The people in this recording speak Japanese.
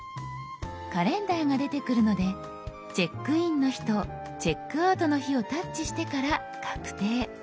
カレンダーが出てくるのでチェックインの日とチェックアウトの日をタッチしてから「確定」。